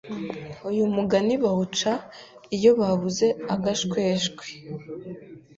Uyu mugani bawuca iyo babuze agashweshwe